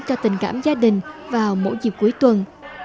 cho tình cảm gia đình vào mỗi dịp cuối tuần